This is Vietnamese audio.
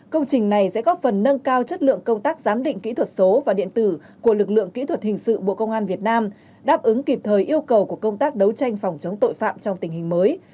công trình này sẽ góp phần nâng cao chất lượng công tác giám định kỹ thuật số và điện tử của lực lượng kỹ thuật hình sự bộ công an việt nam đáp ứng kịp thời yêu cầu của công tác đấu tranh phòng chống tội phạm trong tình hình mới